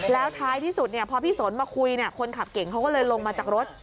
แล้วท้ายที่สุดพอพี่สนมาคุยคนขับเก่งเขาก็เลยลงมาจากรถ